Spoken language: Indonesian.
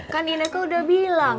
kan ine kan udah bilang